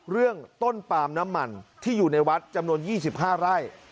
เรื่องต้นปามน้ำมันที่อยู่ในวัดจำนวน๒๕ไร่